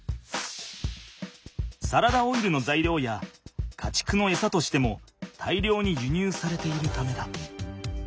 サラダオイルの材料や家畜の餌としても大量に輸入されているためだ。